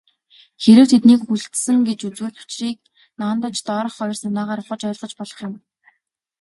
Хэрэв тэднийг хүлцсэн гэж үзвэл, учрыг наанадаж доорх хоёр санаагаар ухаж ойлгож болох юм.